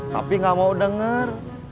tapi gak mau denger